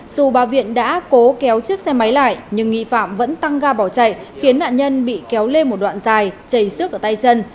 dù bà viện đã cố kéo chiếc xe máy lại nhưng nghi phạm vẫn tăng ga bỏ chạy khiến nạn nhân bị kéo lên một đoạn dài chảy xước ở tay chân